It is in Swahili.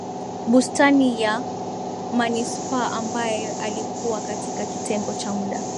Bustani ya Manispaa ambaye alikuwa katika kitengo cha muda